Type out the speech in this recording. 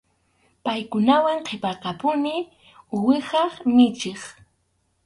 Paykunawan qhipakapuni uwiha michiq.